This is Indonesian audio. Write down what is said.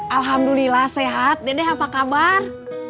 alhamdulillah sehat dede apa kabar